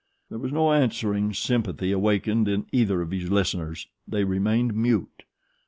There was no answering sympathy awakened in either of his listeners they remained mute.